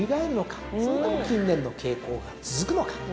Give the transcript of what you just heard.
それとも近年の傾向が続くのか。